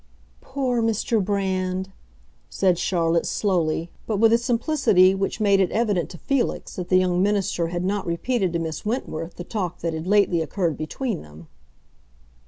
"Poor Mr. Brand!" said Charlotte, slowly, but with a simplicity which made it evident to Felix that the young minister had not repeated to Miss Wentworth the talk that had lately occurred between them.